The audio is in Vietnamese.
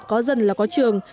có dân là có trường